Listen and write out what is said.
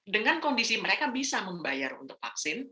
dengan kondisi mereka bisa membayar untuk vaksin